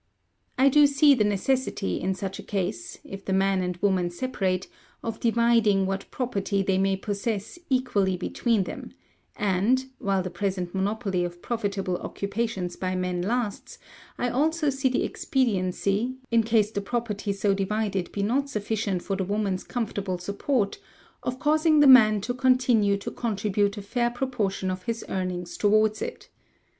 "I do see the necessity, in such a case, if the man and woman separate, of dividing what property they may possess equally between them; and (while the present monopoly of profitable occupations by men lasts) I also see the expediency, in case the property so divided be not sufficient for the woman's comfortable support, of causing the man to continue to contribute a fair proportion of his earnings towards it.